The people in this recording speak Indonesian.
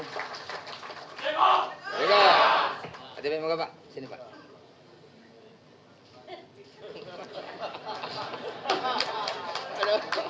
tidak ada yang mau